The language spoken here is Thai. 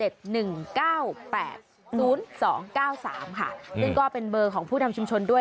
ซึ่งก็เป็นเบอร์ของผู้นำชุมชนด้วย